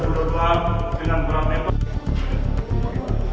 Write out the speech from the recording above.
dengan kurang mewah